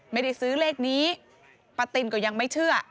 ไม่ได้ซื้อเลขนี้ป้าตินก็ยังไม่เชื่อ